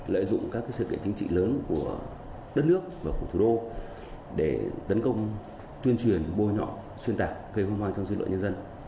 lợi dụng các sự kiện chính trị lớn của đất nước và của thủ đô để tấn công tuyên truyền bôi nhỏ xuyên tạc cây hôn hoang trong dưới đội nhân dân